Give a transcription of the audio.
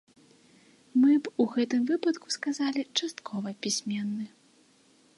Мы б у гэтым выпадку сказалі, часткова пісьменны.